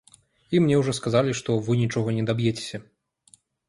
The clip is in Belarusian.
І мне ўжо сказалі, што вы нічога не даб'ецеся.